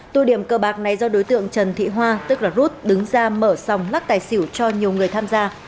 tụ điểm cờ bạc này do đối tượng trần thị hoa tức là rút đứng ra mở sòng lắc tài xỉu cho nhiều người tham gia